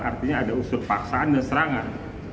artinya ada unsur paksaan dan serangan